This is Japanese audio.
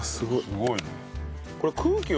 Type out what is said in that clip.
すごいね。